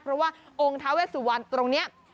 เพราะว่าองค์ท้าเวสุวรรณตรงนี้